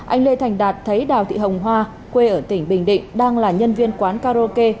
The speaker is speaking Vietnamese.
anh lê thành đạt thấy đào thị hồng hoa quê ở tỉnh bình định đang là nhân viên quán karaoke